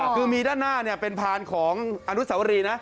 คือมีด้านหน้าเป็นพานของอนุสาวรีนะ